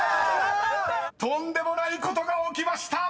［とんでもないことが起きました！］